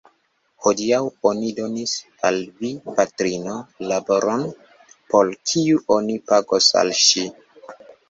Hodiaŭ oni donis al via patrino laboron, por kiu oni pagos al ŝi.